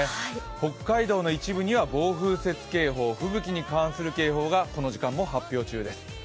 北海道の一部には暴風雪警報吹雪に関する警報がこの時間も発表中です。